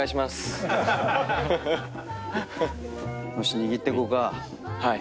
よし握ってこうか。